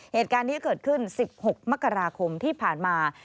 เหตุการณ์นี้เกิดขึ้น๑๖มกราคมที่ผ่านมา